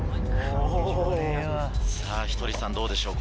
さぁひとりさんどうでしょう？